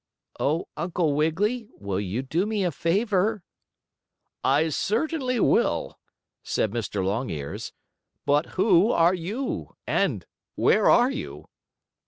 "Oh, Uncle Wiggily, will you do me a favor?" "I certainly will," said Mr. Longears, "but who are you, and where are you?"